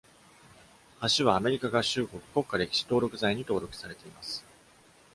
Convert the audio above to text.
橋はは、アメリカ合衆国国家歴史登録財に登録されています。